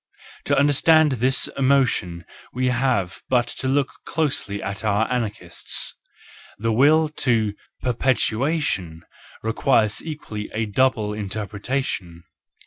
To understand this emotion we have but to look closely at our anarchists. The will to perpetuation requires equally a double inter¬ pretation.